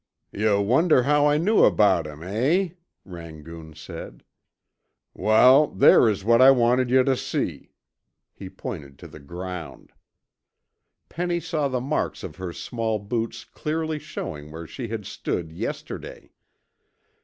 "Yuh wonder how I know about him, eh?" Rangoon said. "Wal, there is what I wanted yuh tuh see." He pointed to the ground. Penny saw the marks of her small boots clearly showing where she had stood yesterday.